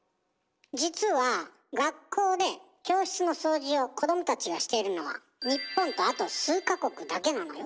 実は学校で教室の掃除を子どもたちがしているのは日本とあと数か国だけなのよ。